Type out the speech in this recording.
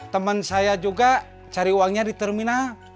teman saya juga cari uangnya di terminal